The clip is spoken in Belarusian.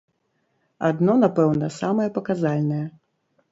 Адно, напэўна, самае паказальнае.